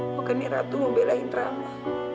bukannya ratu membelahin rama